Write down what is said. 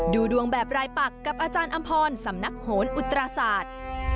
ดูดวงแบบรายปักกับอาจารย์อำพรสำนักโหนอุตราศาสตร์